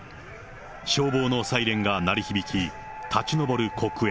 消防のサイレンが鳴り響き、立ち上る黒煙。